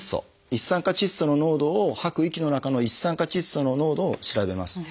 一酸化窒素の濃度を吐く息の中の一酸化窒素の濃度を調べます。